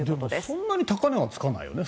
そんなに高値はつかないよね。